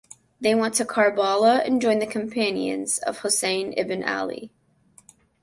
They went to Karbala and joined the companions of Hussain ibn Ali.